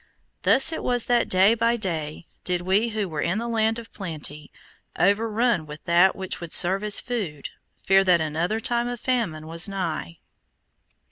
Thus it was that day by day did we who were in the land of plenty, overrun with that which would serve as food, fear that another time of famine was nigh.